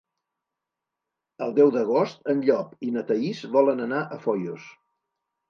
El deu d'agost en Llop i na Thaís volen anar a Foios.